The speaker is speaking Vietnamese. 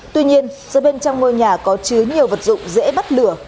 tuy nhiên do bên trong ngôi nhà có chứa nhiều vật dụng dễ bắt lửa